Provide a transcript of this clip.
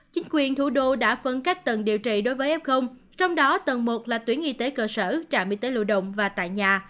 chính quyền thủ đô đã phân cách tầng điều trị đối với f trong đó tầng một là tuyến y tế cơ sở trạm y tế lưu động và tại nhà